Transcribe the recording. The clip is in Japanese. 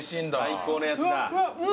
最高のやつだ。